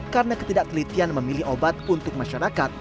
karena ketidakkelitian memilih obat untuk masyarakat